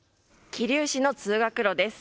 桐生市の通学路です。